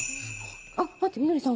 あっ待ってみどりさん